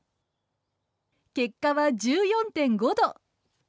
結果は１４．５度。